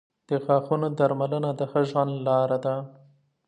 • د غاښونو درملنه د ښه ژوند لار ده.